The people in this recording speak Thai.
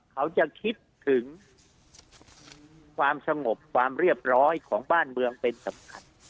เขาจะคิดถึงความสงบความเรียบร้อยของบ้านเมืองเป็นสำคัญ